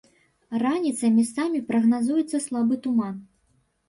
Раніцай месцамі прагназуецца слабы туман.